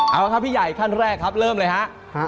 เอาละครับพี่ใหญ่ขั้นแรกครับเริ่มเลยฮะ